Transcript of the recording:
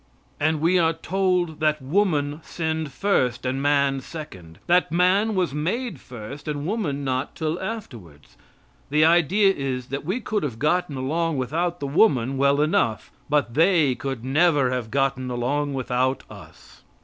And we are told that woman sinned first and man second; that man was made first and woman not till afterwards. The idea is that we could have gotten along without the woman well enough, but they never could have gotten along without us.